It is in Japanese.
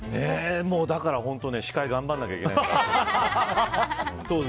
だから本当に司会頑張らないといけなくて。